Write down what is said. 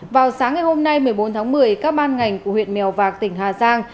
vào sáng ngày hôm nay một mươi bốn tháng một mươi các ban ngành của huyện mèo vạc tỉnh hà giang